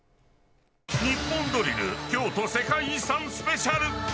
「ニッポンドリル」京都世界遺産スペシャル。